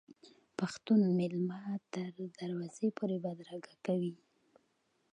پښتون میلمه تر دروازې پورې بدرګه کوي.